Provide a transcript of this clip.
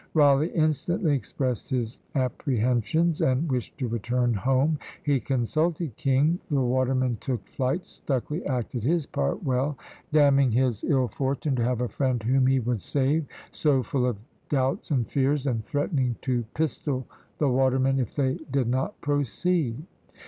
Rawleigh instantly expressed his apprehensions, and wished to return home; he consulted King the watermen took fright Stucley acted his part well; damning his ill fortune to have a friend whom he would save, so full of doubts and fears, and threatening to pistol the watermen if they did not proceed.